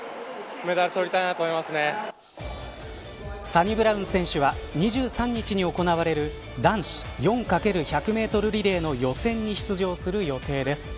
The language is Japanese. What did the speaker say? サニブラウン選手は２３日に行われる男子４×１００メートルリレーの予選に出場する予定です。